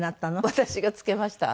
私が付けました。